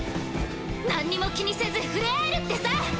なんにも気にせず触れ合えるってさ！